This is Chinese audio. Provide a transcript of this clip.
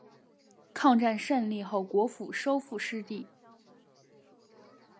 抗战胜利后国府收复失地。